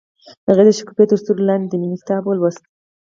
هغې د شګوفه تر سیوري لاندې د مینې کتاب ولوست.